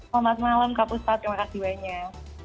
selamat malam kak ustadz terima kasih banyak